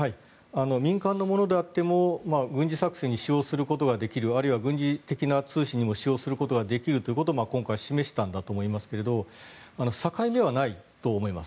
民間のものであっても軍事作戦に使用することができるあるいは軍事的な通信にも使用することができるということを今回示したんだと思いますが境目はないと思います。